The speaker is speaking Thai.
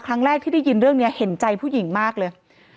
ครั้งแรกที่ได้ยินเรื่องนี้เห็นใจผู้หญิงมากเลย